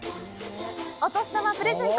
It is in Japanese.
お年玉プレゼント